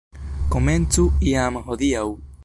Komencu jam hodiaŭ!